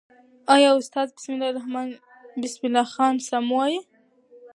آیا استاد بسم الله خان سم وایي؟